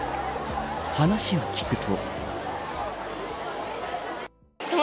話を聞くと。